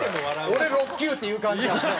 「俺６級」っていう感じやもんね。